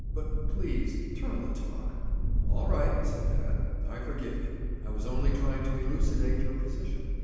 But please turn the talk." "All right," said dad. "I forgive you. I was only trying to elucidate your position.